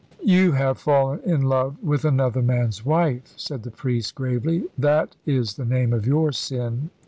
"You have fallen in love with another man's wife," said the priest gravely. "That is the name of your sin."